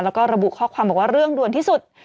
แล้วก็ระบุข้อความบอกว่าเรื่องด่วนที่สุด